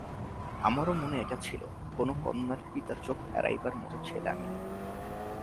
আমারও মনে এটা ছিল, কোনো কন্যার পিতার চোখ এড়াইবার মতো ছেলে আমি নই।